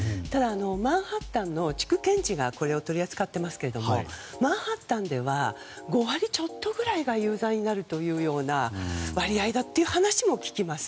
マンハッタンの地区検事がこれを取り扱っていますけどマンハッタンでは５割ちょっとくらいが有罪になるというような割合だっていう話も聞きます。